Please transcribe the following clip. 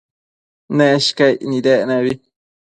Neshcaic nidec nebi